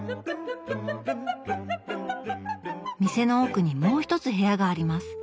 店の奥にもう一つ部屋があります。